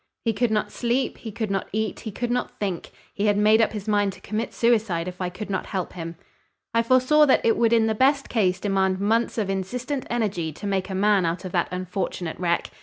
He could not sleep, he could not eat, he could not think, he had made up his mind to commit suicide if I could not help him. I foresaw that it would in the best case demand months of insistent energy to make a man out of that unfortunate wreck.